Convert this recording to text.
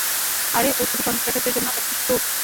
আরে, ওটা সন্ত্রাসীদের জন্য একটা টোপ।